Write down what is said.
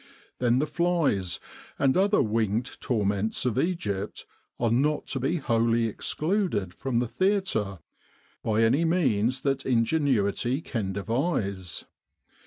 Then the flies and other winged torments of Egypt are not to be wholly excluded from the theatre by any means that ingenuity can devise.